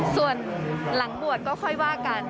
ส่วนหลังบวชก็ค่อยว่ากัน